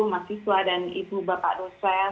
mahasiswa dan ibu bapak dosen